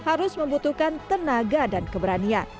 harus membutuhkan tenaga dan keberanian